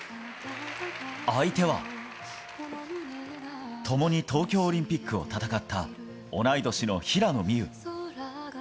相手はともに東京オリンピックを戦った、同い年の平野美宇。